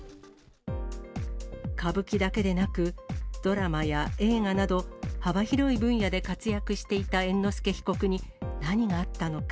歌舞伎だけでなく、ドラマや映画など、幅広い分野で活躍していた猿之助被告に、何があったのか。